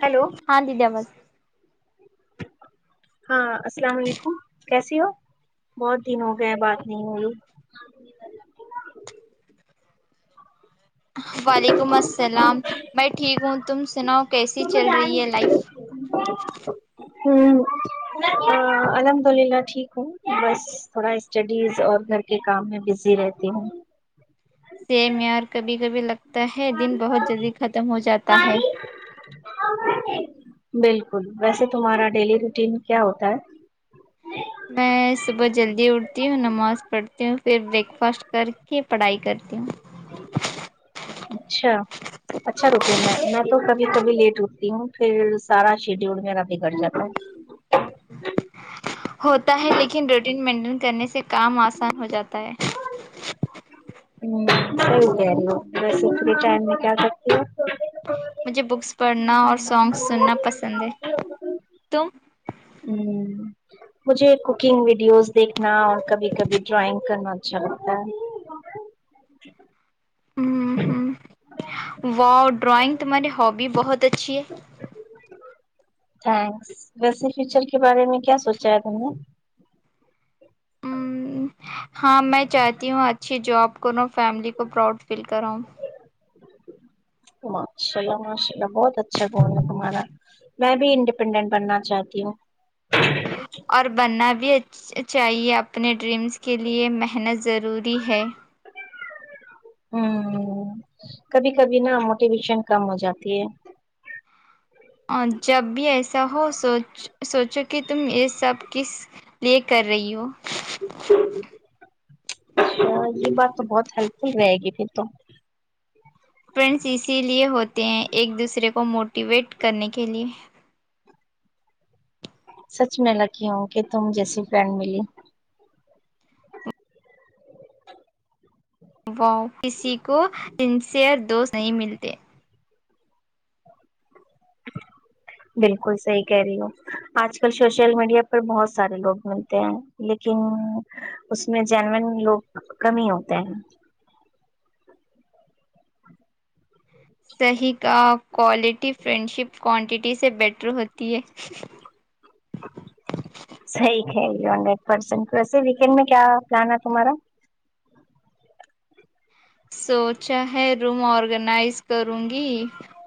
hello ہاں دیدی آواز ہاں السلام علیکم کیسی ہو بہت دن ہو گیا بات نہیں ہوئی وعلیکم السلام میں ٹھیک ہوں تم سناؤ کیسی ہوں چل رہی ہے لائف الحمد آللہ ٹھیک ہوں بس تھوڑا اسٹڈیز اور گھر کے کام میں بزی رہتی ہوں سیم یار کبھی کبھی لگتا ہے دن بہت جلدی ختم ہو جاتا ہے بالکل ویسے تمہارا ڈیلی روٹین کیا ہوتا ہے میں صبح جلدی اٹھتی ہوں نماز پڑھتی پھر بریک فاسٹ کر کے پڑھائی کرتی ہوں اچھا اچھا روٹین ہے میں تو کبھی کبھی لیٹ اتی ہوں پھر سارا شیڈیول میرا بگڑ جاتا ہوتا ہے لیکن روٹین مینٹین کرنے سے کام آسان ہو جاتا ہے ہوں صحیح کہہ رہی ہو ویسے فری ٹائم میں کیا کر مجھے بکس پڑھنا اور سانگس سننا پسند ہے تم مجھے کوکنگ ویڈیوز دیکھنا اور کبھی کبھی ڈرائنگ کرنا اچھا لگتا ہے ہ ہ واؤ ڈرائنگ تمہاری ہابی بہت اچھی ہے تھینکس ویسے فیوچر کے بارے میں کیا سوچا ہے تم نے ہاں میں چاہتی ہوں اچھی جاب کروں فیملی کو پراؤڈ فیل کرو ماشاء اللہ ماشاء اللہ بہت اچھا گن ہے تمہارا میں بھی انڈیپینڈنٹ بننا چاہتی ہوں اور بننا بھی اچھا چاہیے اپنے ڈریمس کے لیے محنت ضروری ہے کبھی کبھی نا موٹیویشن کم ہو جاتی ہے اور جب بھی ایسا ہو سوچ سوچو کہ تم یہ سب کس لئے کر رہی ہو اچھا یہ بات تو بہت ہیلپ فل رہے گی پھر تو فرینڈس اسی لیے ہوتے ہیں ایک دوسرے کو موٹیویٹ کرنے کے لیے سچ میں لکی ہوں کہ تم جیسی فرینڈ ملی وہ کسی کو سنسیئر دوست نہیں ملتے بالکل صحیح کہہ رہی ہو آج کل سوشل میڈیا پر بہت سارے لوگ ملتے ہیں لیکن اس میں جینوین لوگ کم ہی ہوتے ہیں صحیح کہا کوالٹی فرینڈشپ کوانٹیٹی سے بیٹر ہوتی ہے صحیح ہے یہ ہنڈریڈ پرسینٹ ویسے ویکینڈ میں کیا پلان ہے تمہارا سوچا ہے روم آرگنائز کروں گی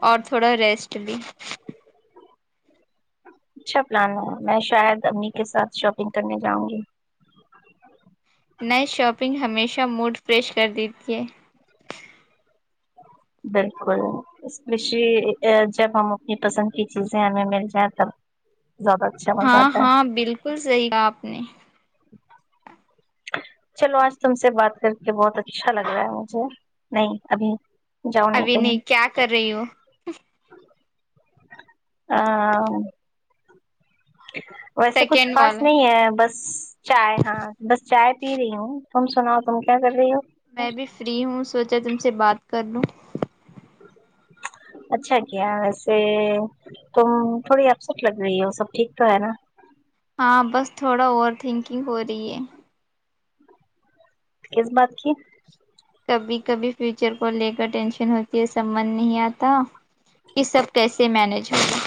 اور تھوڑا ریسٹ بھی اچھا پلان ہے میں شاید امی کے ساتھ شاپنگ کرنے جاؤں گی نئے شاپنگ ہمیشہ موڈ فریش کر دی تے بالکل اسپیشلی جب ہم اپنی پسند کی چیزیں ہمیں مل جائیں تب زیادہ اچھا مزہ ہاں آتا ہے ہاں بالکل صحیح آپ نے چلو آج تم سے بات کر کے بہت اچھا لگ رہا ہے مجھے نہیں ابھی جاؤ ابھی کہیں نہیں کیا کر رہی ہو آن اوں ویسے کچھ سیکنڈ خاص والا نہیں ہے بس چائے ہاں بس چائے پی رہی ہوں تم سناؤ تم کیا کر رہی ہو میں بھی فری ہوں سوچا تم سے بات کر لوں اچھا کیا ویسے تم تھوڑی سی ابسٹ لگ رہی ہے وہ سب ٹھیک تو ہے نا ہاں بس تھوڑا اوور تھنکنگ ہو رہی ہے کس بات کی کبھی کبھی فیوچر کو لے کر ٹینشن ہوتی ہے سمجھ نہیں آتا یہ سب کیسے مینیج ہوگا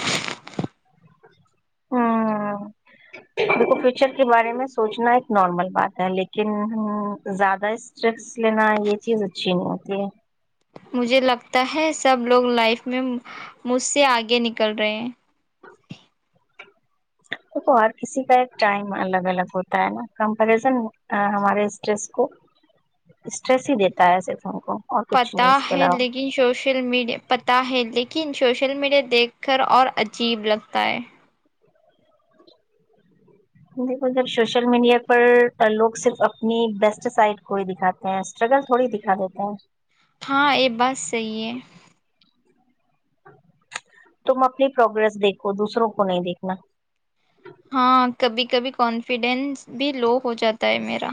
ہاں دیکھو فیوچر کے بارے میں سوچنا ایک نارمل بات ہے لیکن زیادہ سٹریس لینا یہ چیز اچھی نہیں ہوتی ہے مجھے لگتا ہے سب لوگ لائف میں مجھ سے آگے نکل رہے دیکھو ہر کسی کا ایک ٹائم الگ الگ ہوتا ہے نا کمپریزن ہمارے اسٹریس کو اسٹریس ہی دیتا ہے صرف ہم کو اور کچھ پتا نہیں اس کے ہے علاوہ لیک ن سوشل میڈیا پتہ ہے لیکن سوشل میڈیا دیکھ کر اور عجیب لگتا ہے ہوگی پر سوشل میڈیا پر لوگ صرف اپنی بیسٹ سائٹ کو ہی دکھاتے اسٹرگل تھوڑی دکھا دیتے ہیں ہاں یہ بات صحی ہے تم اپنی پروگریس دیکھو دوسروں کو نہیں دیکھنا ہاں کبھی کبھی کانفیڈینس بھی لو ہو جاتا ہے میرا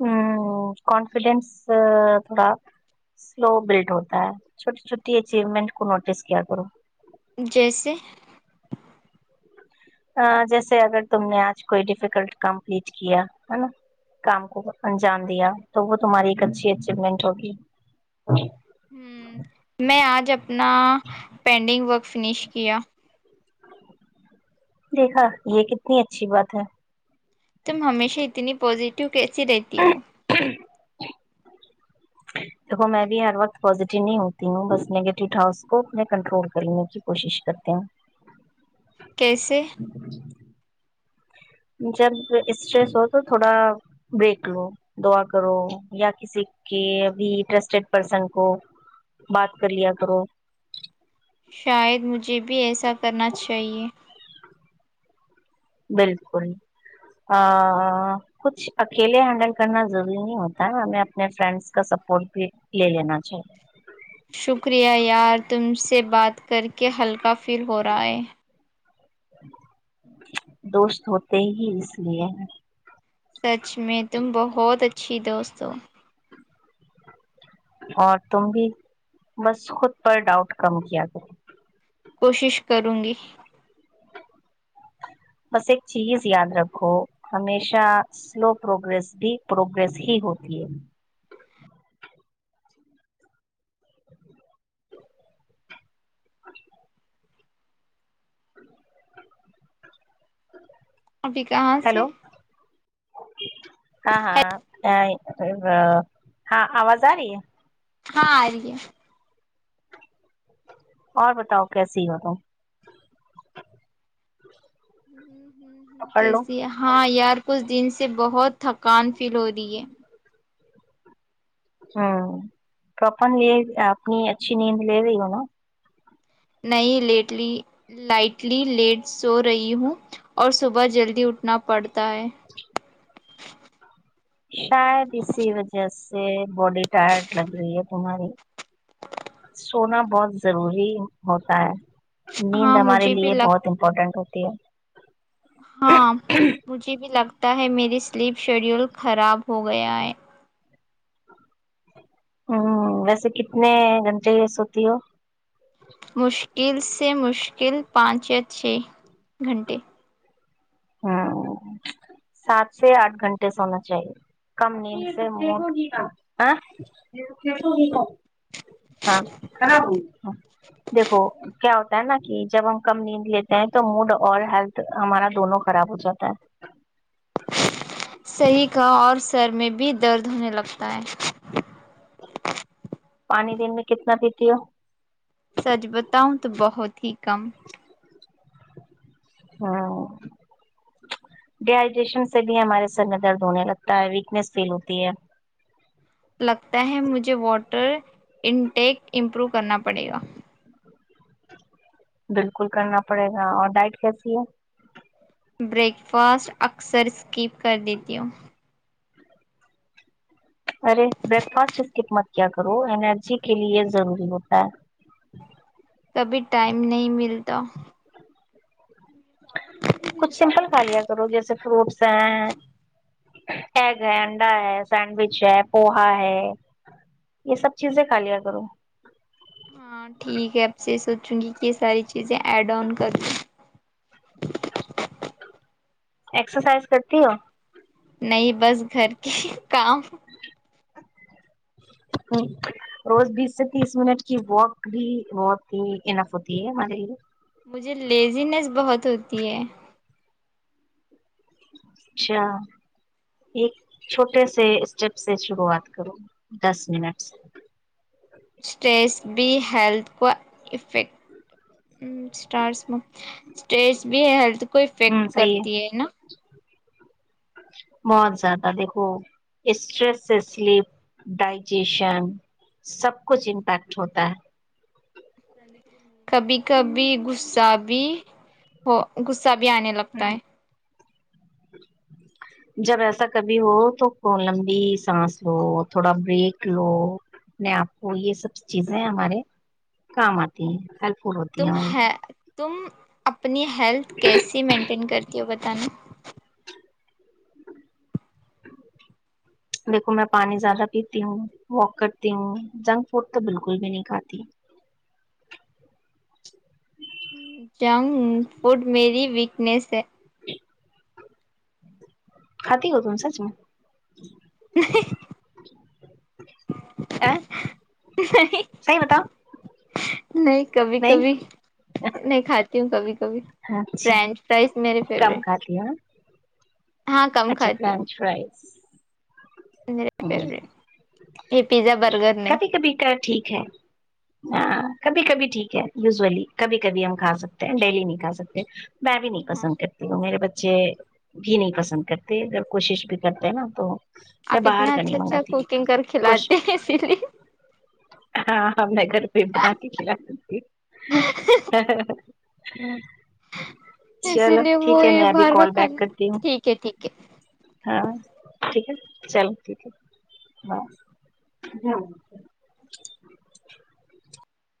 ہ کانفیڈنس تھوڑا سلو بلڈ ہوتا ہے چھوٹی چھوٹی اچیومنٹ کو نوٹس کیا کرو جیسے جیسے اگر تم نے آج کوئی ڈیفیکلٹ کمپلیٹ کیا ہے نا کام کو انجام دیا تو وہ تمہاری ایک اچھی اچیومنٹ ہوگی میں آج اپنا پینڈنگ ورک فنش کیا دیکھا یہ کتنی اچھی بات ہے تم ہمیشہ اتنی پزیٹیو کیسی رہتی ہو دیکھو میں بھی ہر وقت پزیٹیو نہیں ہوتی ہوں بس نگیٹو تھا کو اپنے کنٹرول کر لینے کی کوشش کرتی ہوں کیسے ناقابل سماعت جب اسٹریس ہو تو تھوڑا بریک لو دعا کرو یا کسی کےب ٹرسٹیڈ پرسن کو بات کر لیا کرو شاید مجھے بھی ایسا کرنا چاہیے بالکل ا کچھ اکیلے ہینڈل کرنا ضروری نہیں ہوتا ن ہمیں اپنے فرینڈس کا سپورٹ بھی لے لینا چاہیے شکریہ یار تم سے بات کر کے ہلکا فیل ہو رہا ہے دوست ہوتے ہی اس لیے ہے سچ میں تم بہت اچھی دوست ہو اور تم بھی بس خود پر ڈاؤٹ کم کیا کر کوشش کروں گی بس ایک چیز یاد رکھو ہمیشہ سلو پروگریس بھی پروگریس ہی ہوتی ہے اچھا ابھی کہاں سے کہا ہاں آواز آ رہی ہے ہاں آ رہی ہے اور بتاؤ کیسی ہو تم پکڑ لو کیسی ہے ہاں یار کچھ دن سے بہت تھکان فیل ہو رہی ہے ہمم تو تم یے اپنی اچھی نیند لے رہی ہو نا نہیں لیٹلی لائٹلی لیٹ سو رہی ہوں اور صبح جلدی اٹھنا پڑتا ہے شاید اسی وجہ سے باڈی ٹائٹ لگ رہی ہے تمہاری سونا بہت ضروری ہوتا ہے نیند ہاں ہمارے مجھے بھی لیے لگ بہت امپورٹنٹ ہوتی ہے ہاں مجھے بھی لگتا ہے میری سلیپ شیڈیول خراب ہو گیا ہے ہمم ویسے کتنے گھنٹے سوتی ہو مشکل سے مشکل پانچ یا چھ گھنٹے ہاں سات سے آٹھ گھنٹے سونا چاہیے کم نید سے موڈ آ ہاں دیکو کیا ہوتا ہے نا کی جب ہم کم نیند لیتے ہیں تو منڈ اور ہیلتھ ہمارا دونوں خراب ہو جاتا ہے صحیح کہا اور سر میں بھی درد ہونے لگتا ہے پانی دن میں کتنا پیتی ہو سچ بتاؤں تو بہت ہی کم ہاں ڈی ہائیڈریشن سے بھی ہمارے سر میں درد ہونے لگتا ہے ویکنس فیل ہوتی ہے لگتا ہے مجھے واٹر انٹیک امپروو کرنا پڑے گا بالکل کرنا پڑے گا اور ڈائٹ کیسی ہے بریک فاسٹ اکثر اسکپ کر دیتی ہوں ارے بریک فاسٹ اسکپ مت کیا کرو انرجی کے لیے ضروری ہوتا ہے کبھی ٹائم نہیں ملتا کچھ سمپل کھا لیا کرو جیسے فروٹس ہیں ایگ ہے انڈا ہے سینڈوچ ہے پوہا ہے یہ سب چیزیں کا لیا کروں ہاں ٹھیک ہے آپ سے یہ سوچوں گی کہ یہ ساری چیزیں ایڈ آن کر لیں ایکس سائز کرتی ہو نہیں بس گھر کی کام ہ روز بیس سے تیس منٹ کی واک بھی بہت ہی انف ہوتی ہے ہمارے لیے مجھے لیزینس بہت ہوتی ہے اچھا ایک چھوٹے سے اسٹیپ سے شروعات کروں دس منٹ اسٹیس بی ہیلتھ کو افیکٹ اسٹارس میں اسٹیس بھی ہے ہیلتھ کو ہوں افیکٹ سی ہے کرتی نا بہت زیادہ دیکھو اسٹریس اسلی ڈائجیشن سب کچھ امپیکٹ ہوتا ہے کبھی کبھی غصہ بھی ہو صہ بھی آنے لگتا ہے جب ایسا کبھی ہو تو لمبی سانس لو تھوڑا بریک لو اپنے آپ کو یہ سب چیزیں ہمارے کام آتی ہیں فل ہوتی تم ہیں ہمارے لیے ہےتم اپنی ہیلتھ کیسیے مینٹین کرتی ہو بتانا دیکھو میں پانی زیادہ پیتی ہوں واک کرتی ہوں جنک فوڈ تو بالکل بھی نہیں کھاتی جنک فوڈ میری ویکنیس ہے خھاتی ہوں سچ میں نہیں نہیں سی وتاا نہیں کبھی کبھی نہیں کھاتی ہوں کبھی ک فرینچ فرائز میرے فیورٹ ا کیا اچھا کھاتی فرینچ فرائیز ہوں میرے فیوریٹ یہ پیزا برگر نہیں کبھی کبھی کا ٹھیک ہے ہاں کبھی کبھی ٹھیک ہے یوزولی کبھی کبھی ہم کھا سکتے ہیں ڈیلی نہیں کھا سکتے میں بھی نہیں ہاں پسند کرتی میرے بچے بھی نہیں پسند کرتے اگر کوشش بھی کرتے ہیں نا تو میں آپ باہر اتنا کا اچھا نہیں اچھا منگاتی کوکنگ کر کچھ کھلاتے ہیں اسی لیے ہاں ہم میں گھر پہ ہی بنا کے کھلا تھی ہوں اسی چلو لیے وہ ٹھیک ہے یہ میں ابھی باہر کا کال بیک کھانا کرتی ہوں ٹھیک ہے ٹھیک ہے ہاں ٹھیک ہے چلو ٹھیک ہے ہاں